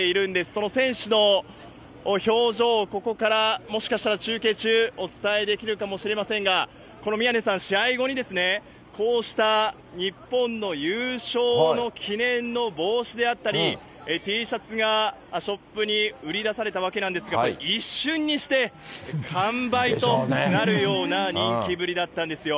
その選手の表情、ここからもしかしたら中継中、お伝えできるかもしれませんが、宮根さん、試合後にこうした日本の優勝の記念の帽子であったり、Ｔシャツがショップに売り出されたわけなんですが、一瞬にして完売となるような人気ぶりだったんですよ。